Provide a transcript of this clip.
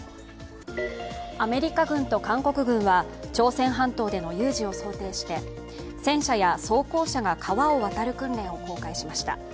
アメリカ軍と韓国軍は朝鮮半島での有事を想定して戦車や装甲車が川を渡る訓練を公開しました。